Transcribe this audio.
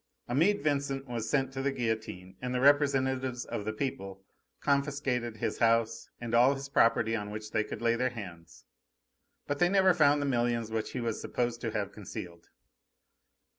Amede Vincent was sent to the guillotine, and the representatives of the people confiscated his house and all his property on which they could lay their hands; but they never found the millions which he was supposed to have concealed.